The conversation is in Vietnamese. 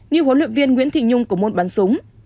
như huấn luyện viên nguyễn thị nhung của môn bắn súng